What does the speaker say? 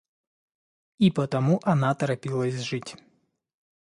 и потому она торопилась жить